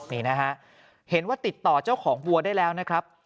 นี่นะฮะเห็นว่าติดต่อเจ้าของวัวได้แล้วนะครับ